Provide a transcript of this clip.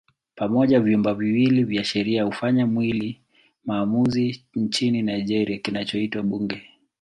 Pamoja vyumba viwili vya sheria hufanya mwili maamuzi nchini Nigeria kinachoitwa Bunge.